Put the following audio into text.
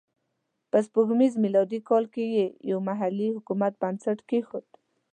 په سپوږمیز میلادي کال کې یې یو محلي حکومت بنسټ کېښود.